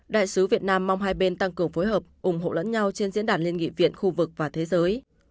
đại sứ việt nam mong hai bên tăng cường phối hợp ủng hộ lẫn nhau trên diễn đàn liên nghị viện khu vực và thế giới